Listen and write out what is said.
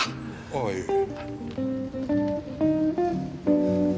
ああいえ。